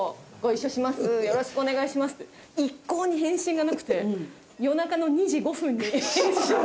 一向に返信がなくて夜中の２時５分に返信が。